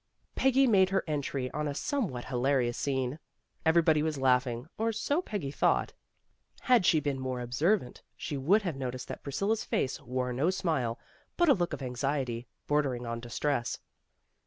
Peggy made her entry on a somewhat hilarious scene. Everybody was laughing, or so Peggy thought. Had she been more observant she would have noticed that Priscilla's face wore no smile, but a look of anxiety, bordering on distress.